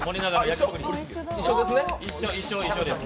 一緒です。